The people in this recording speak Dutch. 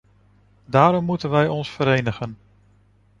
Daarom moeten we ons verenigen.